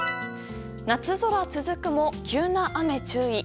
夏空続くも急な雨注意。